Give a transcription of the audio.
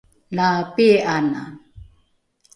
la pii’ana!